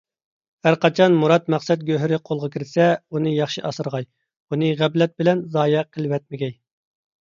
ھەرقاچان مۇراد - مەقسەت گۆھىرى قولغا كىرسە، ئۇنى ياخشى ئاسرىغاي، ئۇنى غەپلەت بىلەن زايە قىلىۋەتمىگەي.